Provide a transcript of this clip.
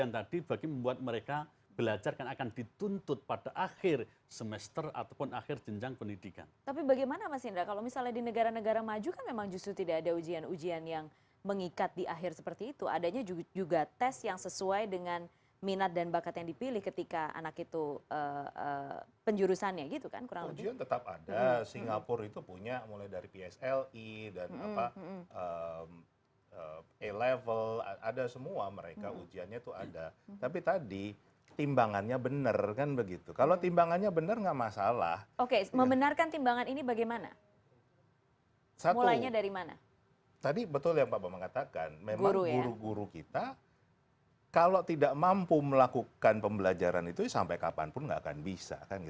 tadi betul yang pak bapak mengatakan memang guru guru kita kalau tidak mampu melakukan pembelajaran itu sampai kapanpun gak akan bisa